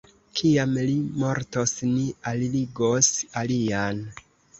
Kiam li mortos, ni alligos alian!